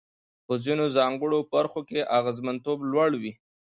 په ځینو ځانګړو برخو کې اغېزمنتوب لوړ وي.